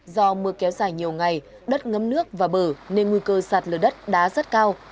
do mưa kéo dài nhiều ngày đất ngấm nước và bờ nên nguy cơ sạt lở đất đã rất cao